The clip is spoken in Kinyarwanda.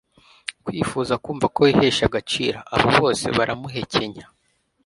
kwifuza kumva ko wihesha agaciro; abo bose baramuhekenya